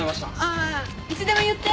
ああいつでも言って！